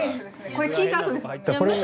これ聞いたあとですもんね。